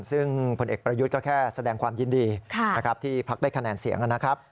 ซึ่งผลเอกประยุทธ์ก็แค่แสดงความยินดีนะครับที่พักได้คะแนนเสียงนะครับ